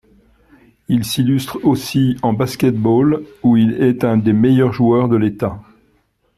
Il s'illustre aussi en basket-ball où il est un des meilleurs joueurs de l'État.